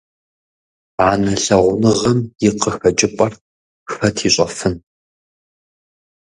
Анэ лъагъуныгъэм и къыхэкӀыпӀэр хэт ищӀэфын.